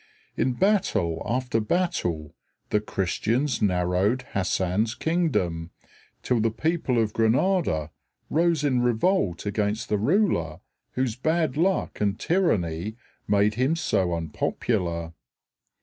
In battle after battle the Christians narrowed Hassan's kingdom, till the people of Granada rose in revolt against the ruler whose bad luck and tyranny made him so unpopular.